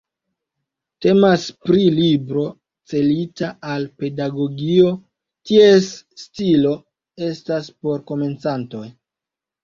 Temas pri libro celita al pedagogio, ties stilo estas por komencantoj.